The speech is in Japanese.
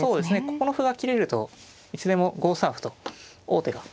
ここの歩が切れるといつでも５三歩と王手が。